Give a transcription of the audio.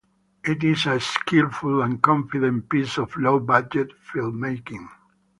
It is a skilful and confident piece of low budget filmmaking.